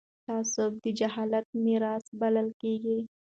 تعصب د جاهلیت میراث بلل کېږي